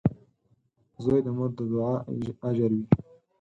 • زوی د مور د دعا اجر وي.